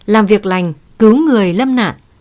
làm việc lành cứu người lâm nạn